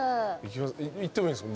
行ってもいいんすか？